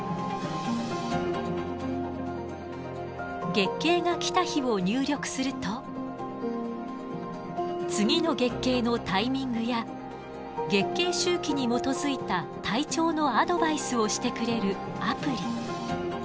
月経が来た日を入力すると次の月経のタイミングや月経周期に基づいた体調のアドバイスをしてくれるアプリ。